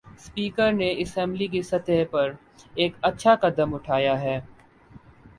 Speaker نے assembly کی سطح پر ایک اچھا قدم اٹھایا ہے۔